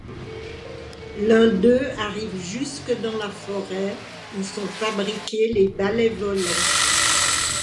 L'un d'eux arrive jusque dans la forêt où sont fabriqués les balais volants.